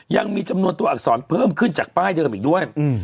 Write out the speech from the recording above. ยังมีจำนวนตัวอักษรเพิ่มขึ้นจากป้ายเดิมอีกด้วย